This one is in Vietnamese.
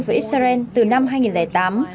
với israel từ năm hai nghìn tám